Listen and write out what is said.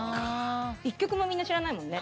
１曲もみんな知らないもんね。